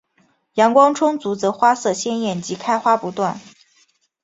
阳光充足则花色鲜艳及开花不断。